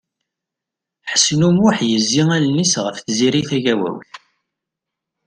Ḥsen U Muḥ yezzi allen-is ɣef Tiziri Tagawawt.